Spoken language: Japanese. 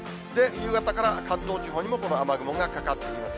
夕方から関東地方にもこの雨雲がかかってきます。